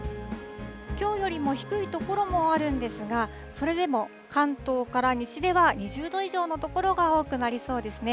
きょうよりも低い所もあるんですが、それでも関東から西では２０度以上の所が多くなりそうですね。